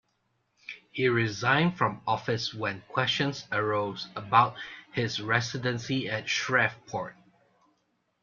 He resigned from office when questions arose about his residency in Shreveport.